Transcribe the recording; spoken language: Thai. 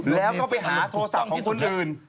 แล้วก็ไปหาโทรศัพท์ของคนอื่น